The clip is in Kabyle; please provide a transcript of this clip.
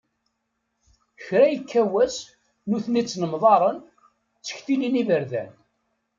Kra yekka wass nutni ttnemḍaren, ttektilin iberdan.